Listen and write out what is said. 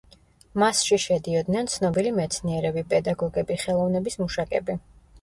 მასში შედიოდნენ ცნობილი მეცნიერები, პედაგოგები, ხელოვნების მუშაკები.